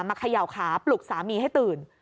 เขย่าขาปลุกสามีให้ตื่น